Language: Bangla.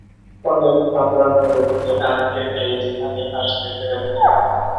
অনেক সংগ্রাম করে তিনি আজকের এই স্থানে আসতে পেরেছেন।